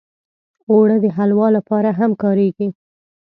اوړه د حلوا لپاره هم کارېږي